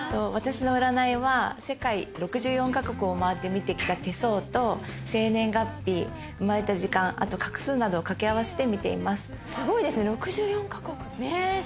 私の占いは世界６４カ国を回って見てきた手相と生年月日生まれた時間あと画数などを掛け合わせて見ています。